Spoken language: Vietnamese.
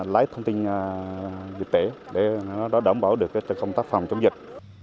lấy thông tin dịch tễ để nó đảm bảo được cái công tác phòng chống dịch